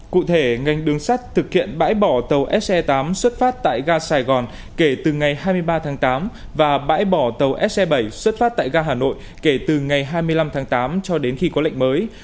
cụ thể ngành đường sắt thực hiện bãi bỏ tàu se tám xuất phát tại ga sài gòn kể từ ngày hai mươi ba tháng tám và bãi bỏ tàu se bảy xuất phát tại ga hà nội kể từ ngày hai mươi năm tháng tám cho đến khi có lệnh mới